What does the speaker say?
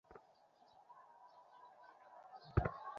তাহলে চমকানোর কারণ কি?